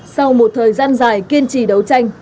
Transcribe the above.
sau một thời gian dài kiên trì đánh bạc